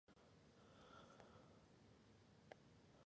上に立つ者は下の者の気持ちは汲んでも顔色は窺ったらあかん